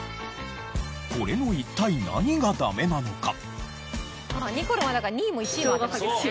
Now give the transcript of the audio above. これの一体何がダメなのか？